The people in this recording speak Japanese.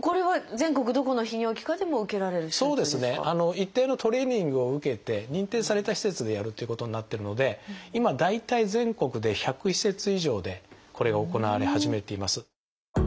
一定のトレーニングを受けて認定された施設でやるということになってるので今大体全国で１００施設以上でこれが行われ始めています。